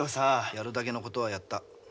やるだけのことはやった。